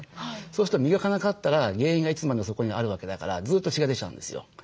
そうすると磨かなかったら原因がいつまでもそこにあるわけだからずっと血が出ちゃうんですよ。